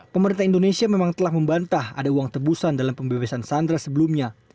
pemerintah indonesia memang telah membantah ada uang tebusan dalam pembebasan sandra sebelumnya